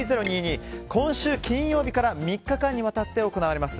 今週金曜日から３日間にわたって行われます。